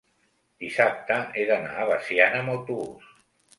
dissabte he d'anar a Veciana amb autobús.